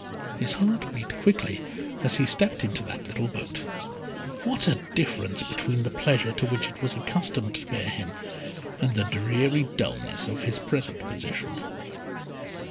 His heart beat quickly as he stepped into that little boat. What a difference between the pleasure to which it was accustomed to bear him, and the dreary dulness of his present position.